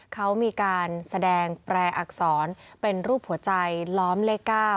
เขามีการแสดงแปรอักษรเป็นรูปหัวใจล้อมเลข๙